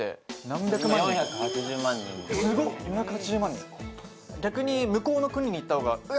・すごっ４８０万人逆に向こうの国に行ったほうが「うわ」